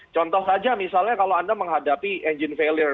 contoh saja misalnya kalau anda menghadapi engine failure